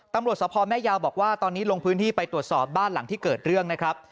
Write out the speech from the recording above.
ตำรวจสภแม่ยาวบอกว่าตอนนี้ลงพื้นที่ไปตรวจสอบบ้านหลังที่เกิดเรื่องนะครับ